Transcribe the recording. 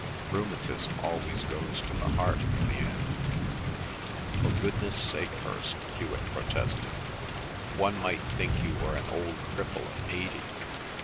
Rheumatism always goes to the heart in the end." "For goodness' sake, Hirst," Hewet protested; "one might think you were an old cripple of eighty.